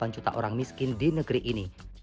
dua puluh delapan juta orang miskin di negeri ini